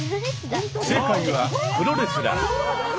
正解はプロレスラー。